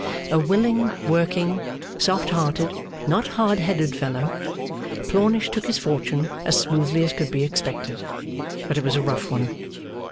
A willing, working, soft hearted, not hard headed fellow, Plornish took his fortune as smoothly as could be expected; but it was a rough one.